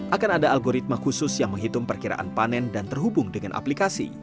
akan ada algoritma khusus yang menghitung perkiraan panen dan terhubung dengan aplikasi